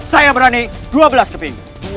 saya berani dua belas keping